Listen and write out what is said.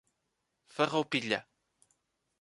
Farroupilha